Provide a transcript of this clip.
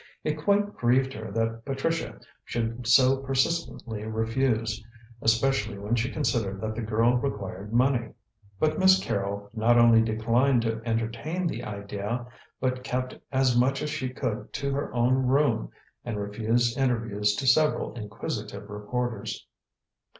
It quite grieved her that Patricia should so persistently refuse, especially when she considered that the girl required money. But Miss Carrol not only declined to entertain the idea, but kept as much as she could to her own room and refused interviews to several inquisitive reporters.